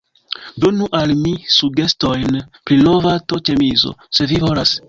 Donu al mi sugestojn pri nova t-ĉemizo, se vi volas.